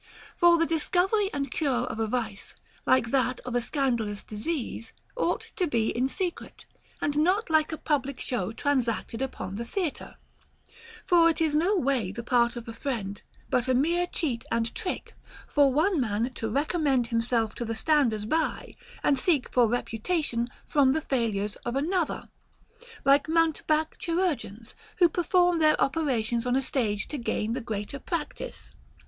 For the discovery and cure of a vice, like that of a scandalous dis ease, ought to be in secret, and not like a public show transacted upon the theatre ; for it is no way the part of a friend, but a mere cheat and trick, for one man to recom mend himself to the standers by and seek for reputation from the failures of another, like mountebank chirurgeons, who perform their operations on a stage to gain the great er practice.